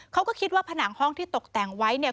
เขาก็คิดว่าผนังห้องที่ตกแต่งไว้เนี่ย